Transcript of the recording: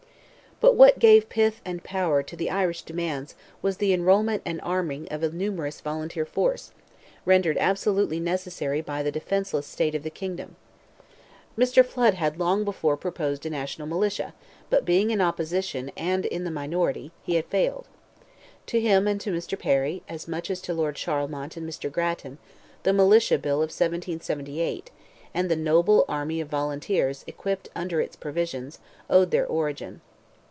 But what gave pith and power to the Irish demands was the enrolment and arming of a numerous volunteer force, rendered absolutely necessary by the defenceless state of the kingdom. Mr. Flood had long before proposed a national militia, but being in opposition and in the minority, he had failed. To him and to Mr. Perry, as much as to Lord Charlemont and Mr. Grattan, the militia bill of 1778, and the noble army of volunteers equipped under its provisions, owed their origin.